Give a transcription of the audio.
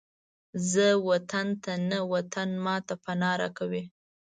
زه وطن ته نه، وطن ماته پناه راکوي